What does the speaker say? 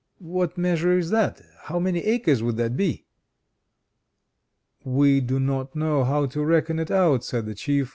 What measure is that? How many acres would that be?" "We do not know how to reckon it out," said the Chief.